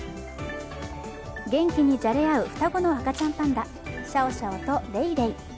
元気にじゃれ合う双子の赤ちゃんパンダ、シャオシャオとレイレイ。